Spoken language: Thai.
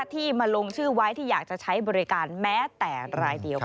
ที่มาลงชื่อไว้ที่อยากจะใช้บริการแม้แต่รายเดียว